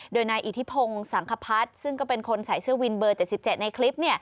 โดยนายอิทธิพงศ์สังคพัฒน์ซึ่งก็เป็นคนใส่เสื้อวินเบอร์๗๗ในคลิป